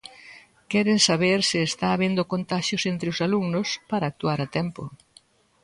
Queren saber se está habendo contaxios entre os alumnos para actuar a tempo.